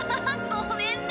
ごめんね。